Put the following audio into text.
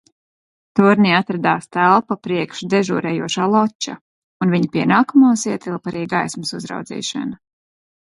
Tornī atradās telpa priekš dežurējošā loča un viņa pienākumos ietilpa arī gaismas uzraudzīšana.